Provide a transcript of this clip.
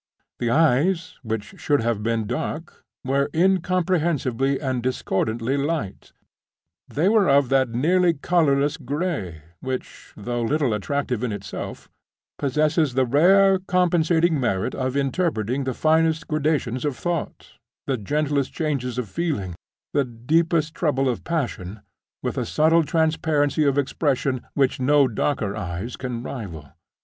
The eyes, which should have been dark, were incomprehensibly and discordantly light; they were of that nearly colorless gray which, though little attractive in itself, possesses the rare compensating merit of interpreting the finest gradations of thought, the gentlest changes of feeling, the deepest trouble of passion, with a subtle transparency of expression which no darker eyes can rival.